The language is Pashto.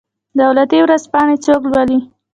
دولتي ورځپاڼې څوک لوالي؟